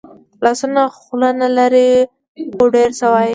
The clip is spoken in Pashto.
لاسونه خوله نه لري خو ډېر څه وايي